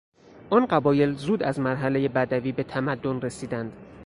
آن قبایل زود از مرحلهی بدوی به تمدن رسیدند.